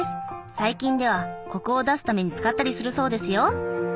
最近ではコクを出すために使ったりするそうですよ。